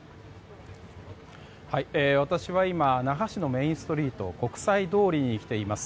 私は今那覇市のメインストリート国際通りに来ています。